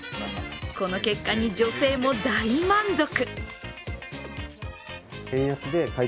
この結果に女性も大満足。